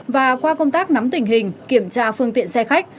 và qua công tác nắm tình hình kiểm tra phương tiện xe khách